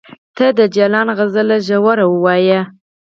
ته د جلان غزل ژور ولوله